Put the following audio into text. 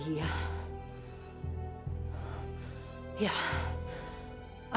lara gagal tanpa dia